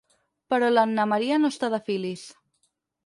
Però l'Anna Maria no està de filis.